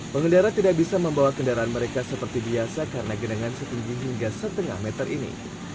pengendara tidak bisa membawa kendaraan mereka seperti biasa karena genangan setinggi hingga setengah meter ini